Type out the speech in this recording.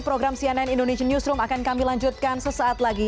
program cnn indonesia newsroom akan kami lanjutkan sesaat lagi